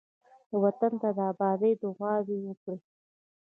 وطن ته د آبادۍ دعاوې وکړئ.